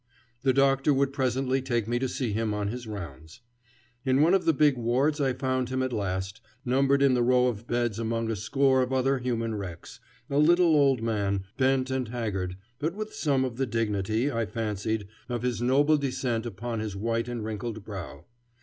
The doctor would presently take me to see him on his rounds. In one of the big wards I found him at last, numbered in the row of beds among a score of other human wrecks, a little old man, bent and haggard, but with some of the dignity, I fancied, of his noble descent upon his white and wrinkled brow.